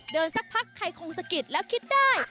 สักพักใครคงสะกิดแล้วคิดได้